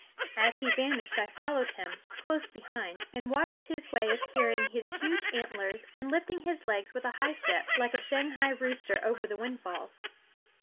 As he vanished I followed him, close behind, and watched his way of carrying his huge antlers and lifting his legs with a high step, like a Shanghai rooster, over the windfalls.